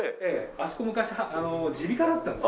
あそこ昔耳鼻科だったんです。